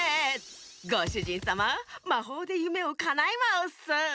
ごしゅじんさままほうでゆめをかなえまウッス！